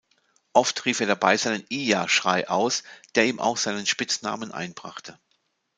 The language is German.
Oft rief er dabei seinen "Ee-YaH"-Schrei aus, der ihm auch seinen Spitznamen einbrachte.